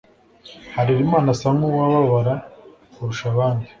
Harerimana asa nkuwababara kurusha abandi